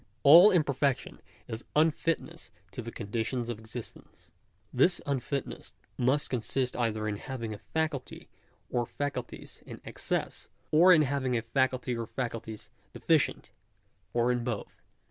All imperfection is unfitness to the conditions of existence. This unfitness must consist either in having a faculty or faculties in excess ; or in having a faculty or faculties deficient ; or in both.